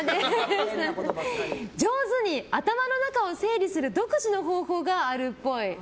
上手に頭の中を整理する独自の方法があるっぽい。